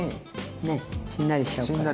ねしんなりしちゃうから。